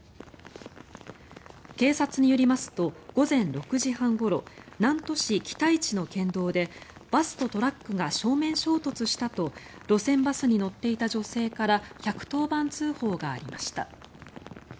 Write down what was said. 警察によりますと午前６時半ごろ南砺市北市の県道でバスとトラックが正面衝突したと路線バスに乗っていた女性から１１０番通報がありました。